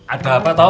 ada apa toh